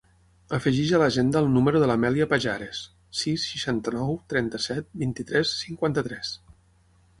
Afegeix a l'agenda el número de l'Amèlia Pajares: sis, seixanta-nou, trenta-set, vint-i-tres, cinquanta-tres.